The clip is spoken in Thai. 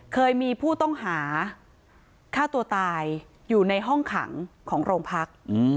เคยมีผู้ต้องหาฆ่าตัวตายอยู่ในห้องขังของโรงพัก